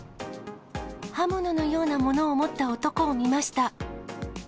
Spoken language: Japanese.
刃物のようなものを持った男を見ました。